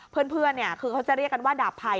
เพื่อนคือเขาจะเรียกกันว่าดาบภัย